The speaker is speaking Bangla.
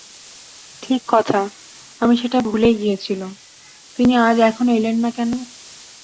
ঠিক কথা, আমি সেটা ভুলেই গিয়েছিলুম, তিনি আজ এখনো এলেন না কেন?